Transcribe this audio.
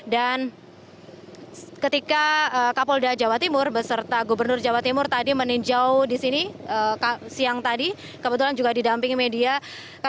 dan ketika kapolda jawa timur beserta gubernur jawa timur tadi meninjau di sini siang tadi kebetulan juga didampingi media